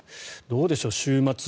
どうでしょう、週末。